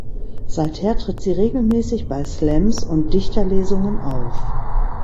Seither tritt sie regelmässig bei Slams und Dichterlesungen auf.